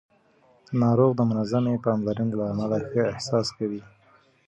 ناروغ د منظمې پاملرنې له امله ښه احساس کوي